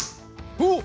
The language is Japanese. おっ！